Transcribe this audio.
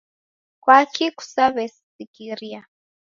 Kwaki kusawesikira